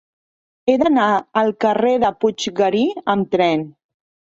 He d'anar al carrer de Puiggarí amb tren.